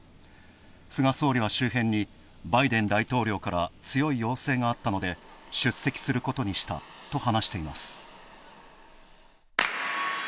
菅総理は周辺にバイデン大統領から強い要請があったので出席することにしたと話しています。